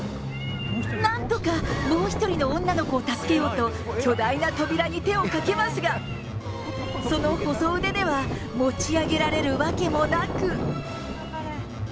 なんとかもう１人の女の子を助けようと、巨大な扉に手をかけますが、その細腕では持ち上げられるわけもなく。